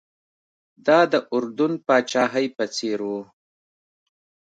دا د اردن پاچاهۍ په څېر و.